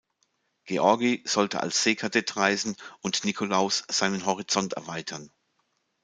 Georgi sollte als Seekadett reisen und Nikolaus seinen Horizont erweitern.